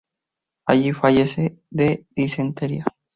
Allí fallece de disentería.